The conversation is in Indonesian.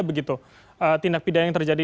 begitu tindak pidana yang terjadi